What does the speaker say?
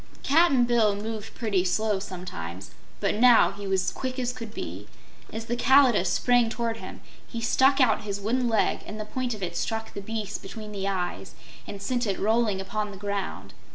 Cap'n Bill moved pretty slowly, sometimes, but now he was quick as could be. As the Kalidah sprang toward him he stuck out his wooden leg and the point of it struck the beast between the eyes and sent it rolling upon the ground.